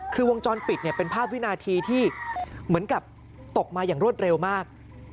คือวงจรปิดเป็นภาพวินาทีที่เหมือนกับตกมาอย่างรวดเร็วมาก